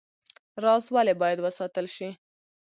راز ولې باید وساتل شي؟